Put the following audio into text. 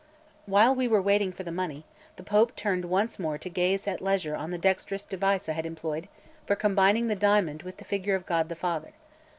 While we were waiting for the money, the Pope turned once more to gaze at leisure on the dexterous device I had employed for combining the diamond with the figure of God the Father.